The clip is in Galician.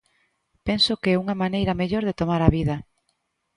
Penso que é unha maneira mellor de tomar a vida.